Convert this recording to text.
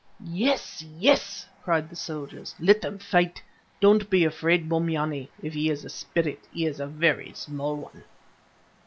"Yes! yes!" cried the soldiers. "Let them fight. Don't be afraid, Bombyane; if he is a spirit, he's a very small one."